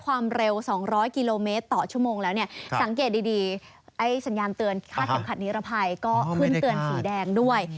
ก็ขึ้นเตือนสีแดงด้วย